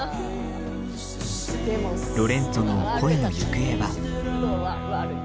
ロレンツォの恋の行方は。